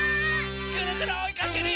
ぐるぐるおいかけるよ！